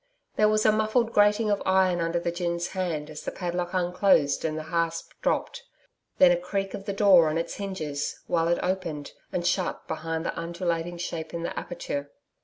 There was a muffled grating of iron under the gin's hand, as the padlock unclosed and the hasp dropped, then a creak of the door on its hinges, while it opened and shut behind the undulating shape in the aperture.